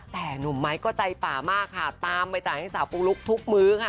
แต่หนุ่มไม้ก็ใจป่ามากค่ะตามไปจ่ายให้สาวปูลุ๊กทุกมื้อค่ะ